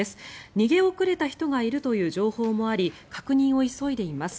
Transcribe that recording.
逃げ遅れた人がいるという情報もあり確認を急いでいます。